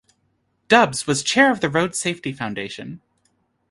Dubs was chair of the Road Safety Foundation.